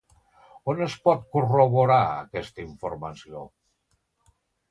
On es pot corroborar, aquesta informació?